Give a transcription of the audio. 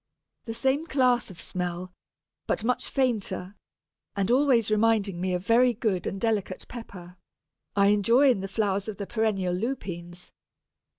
The same class of smell, but much fainter, and always reminding me of very good and delicate pepper, I enjoy in the flowers of the perennial Lupines.